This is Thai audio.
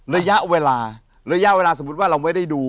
ระยะเวลาระยะเวลาสมมุติว่าเราไม่ได้ดู